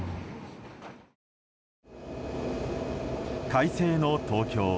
快晴の東京。